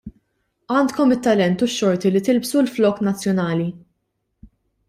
Għandkom it-talent u x-xorti li tilbsu l-flokk nazzjonali.